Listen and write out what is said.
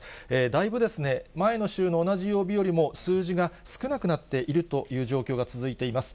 だいぶですね、前の週の同じ曜日よりも数字が少なくなっているという状況が続いています。